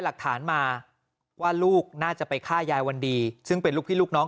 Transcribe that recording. หลักฐานมาว่าลูกน่าจะไปฆ่ายายวันดีซึ่งเป็นลูกพี่ลูกน้อง